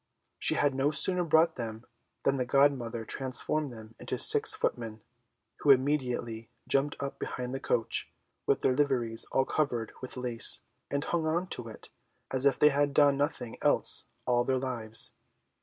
She had no sooner brought them than the godmother transformed them into six footmen, who immediately jumped up behind the coach, with their liveries all covered with lace, and hung on to it as if they had done nothing else all their lives.